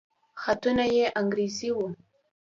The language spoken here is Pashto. خطونه يې انګريزي وو.